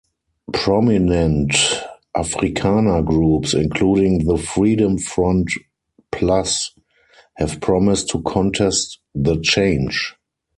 Prominent Afrikaner groups, including the Freedom Front Plus, have promised to contest the change.